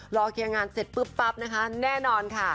รอเคลียร์งานเสร็จปุ๊บปั๊บนะคะแน่นอนค่ะ